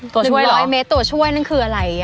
ตัวช่วยเหรอตัวช่วยนั่นคืออะไร